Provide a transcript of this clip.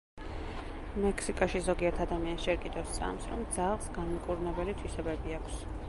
მექსიკაში ზოგიერთ ადამიანს ჯერ კიდევ სწამს, რომ ძაღლს განმკურნებელი თვისებები აქვს.